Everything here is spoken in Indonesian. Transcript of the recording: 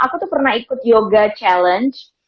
aku tuh pernah ikut yoga challenge